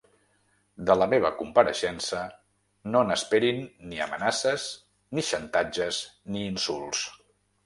De la meva compareixença, no n’esperin ni amenaces, ni xantatges, ni insults.